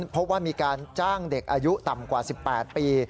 พบว่ามีการจ้างเด็กอายุต่ำกว่า๑๘ปี